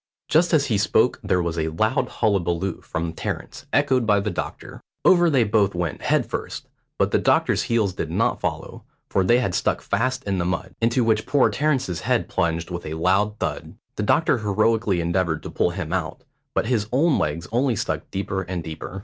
Just as he spoke there was a loud hullabaloo from Terence, echoed by the doctor. Over they both went head first, but the doctor's heels did not follow, for they had stuck fast in the mud, into which poor Terence's head plunged with a loud thud. The doctor heroically endeavoured to pull him out, but his own legs only stuck deeper and deeper.